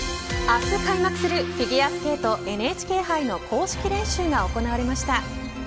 明日開幕するフィギュアスケートＮＨＫ杯の公式練習が行われました。